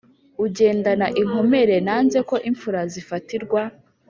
ugendana inkomere nanze ko imfura zifatirwa,